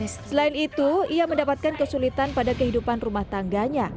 selain itu ia mendapatkan kesulitan pada kehidupan rumah tangganya